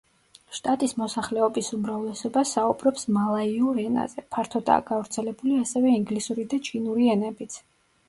შტატის მოსახლეობის უმრავლესობა საუბრობს მალაიურ ენაზე, ფართოდაა გავრცელებული ასევე ინგლისური და ჩინური ენებიც.